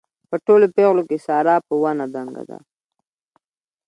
په ټولو پېغلو کې ساره په ونه دنګه ده.